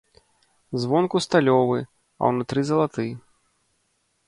Звонку сталёвы, а ўнутры залаты.